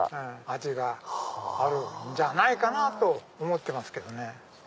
味があるんじゃないかと思ってますけどね。